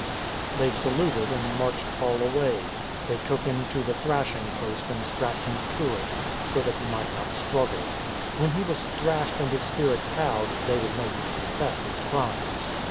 They saluted and marched Paul away. They took him to the thrashing post and strapped him to it, so that he might not struggle. When he was thrashed and his spirit cowed, they would make him confess his crimes.